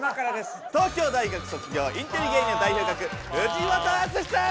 東京大学卒業インテリ芸人の代表格藤本淳史さん！